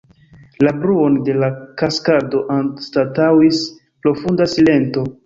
La bruon de la kaskado anstataŭis profunda silento.